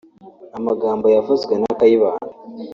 ” amagambo yavuzwe na Kayibanda